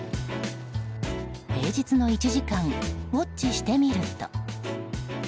平日の１時間ウォッチしてみると。